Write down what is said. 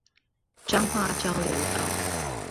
彰化交流道